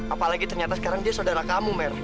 apalagi sekarang ternyata dia saudara kamu mer